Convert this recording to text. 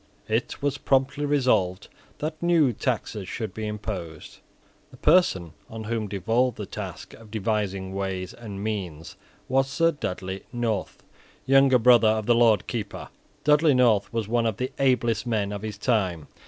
It was promptly resolved that new taxes should be imposed. The person on whom devolved the task of devising ways and means was Sir Dudley North, younger brother of the Lord Keeper. Dudley North was one of the ablest men of his time.